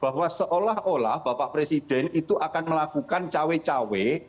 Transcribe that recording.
bahwa seolah olah bapak presiden itu akan melakukan cawe cawe